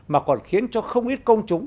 mà còn khiến cho không ít công chúng